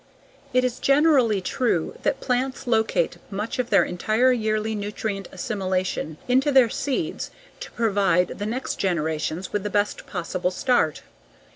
It is generally true that plants locate much of their entire yearly nutrient assimilation into their seeds to provide the next generation with the best possible start.